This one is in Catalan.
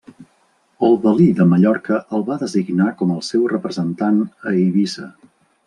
El valí de Mallorca el va designar com el seu representant a Eivissa.